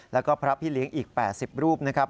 แล้วก็พระพิฤงษ์อีก๘๐รูปนะครับ